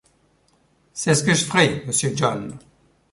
C’est ce que je ferai, monsieur John…